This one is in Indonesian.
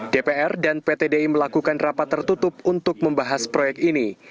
dpr dan pt di melakukan rapat tertutup untuk membahas proyek ini